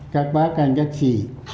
các bác các anh các chị